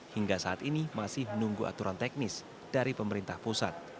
hingga saat ini masih menunggu aturan teknis dari pemerintah pusat